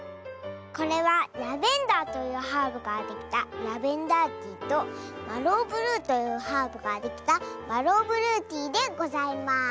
これはラベンダーというハーブからできた「ラベンダーティー」とマローブルーというハーブからできた「マローブルーティー」でございます。